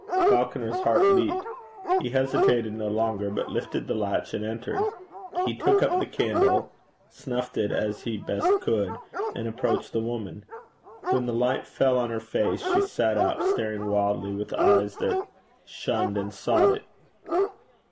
Falconer's heart leaped. He hesitated no longer, but lifted the latch and entered. He took up the candle, snuffed it as he best could, and approached the woman. When the light fell on her face she sat up, staring wildly with eyes that shunned and sought it.